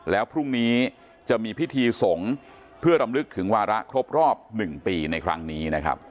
แล้วพรุ่งนี้จะมีพิธีสงฆ์เพื่อรำลึกถึงวาระครบรอบ๑ปีในครั้งนี้นะครับ